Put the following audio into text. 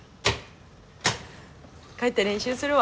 帰って練習するわ。